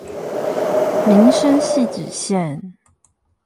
民生汐止線